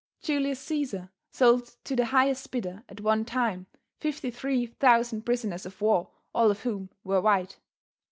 Julius Cæsar sold to the highest bidder at onetime fifty three thousand prisoners of war all of whom were white.